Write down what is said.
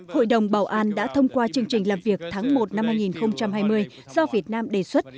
hội đồng bảo an đã thông qua chương trình làm việc tháng một năm hai nghìn hai mươi do việt nam đề xuất